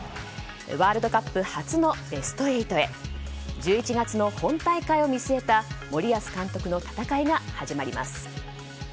ワールドカップ初のベスト８へ１１月の本大会を見据えた森保監督の戦いが始まります。